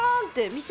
見て！